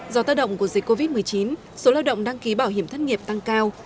do tác động của dịch covid một mươi chín số lao động đăng ký bảo hiểm thất nghiệp tăng cao